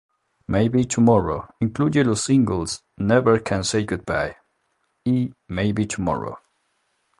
Maybe Tomorrow incluye los singles "Never Can Say Goodbye" y "Maybe Tomorrow".